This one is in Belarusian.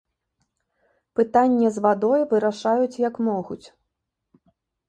Пытанне з вадой вырашаюць, як могуць.